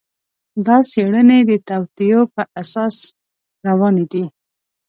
دا څېړنې د توطیو پر اساس روانې دي.